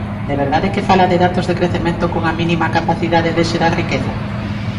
¿De verdade que fala de datos de crecemento cunha mínima capacidade de xerar riqueza?